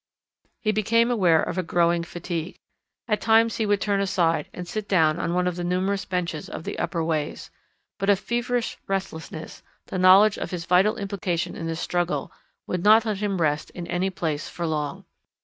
He became aware of a growing fatigue. At times he would turn aside and sit down on one of the numerous benches of the upper ways. But a feverish restlessness, the knowledge of his vital implication in this struggle, would not let him rest in any place for long.